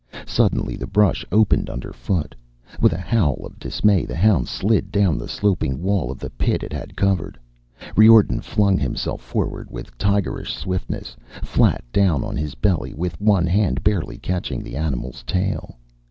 Suddenly the brush opened underfoot. With a howl of dismay, the hound slid down the sloping wall of the pit it had covered. Riordan flung himself forward with tigerish swiftness, flat down on his belly with one hand barely catching the animal's tail.